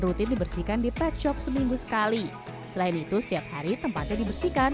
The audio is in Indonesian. rutin dibersihkan di pet shop seminggu sekali selain itu setiap hari tempatnya dibersihkan